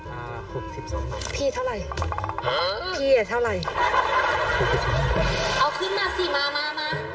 หกสิบสิบสองบาทพี่เท่าไรพี่อ่ะเท่าไรเอาขึ้นมาสิมามามา